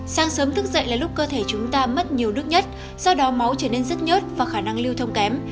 sáng sớm thức dậy là lúc cơ thể chúng ta mất nhiều nước nhất do đó máu trở nên rất nhớt và khả năng lưu thông kém